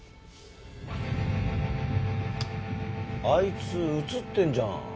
あいつ映ってるじゃん。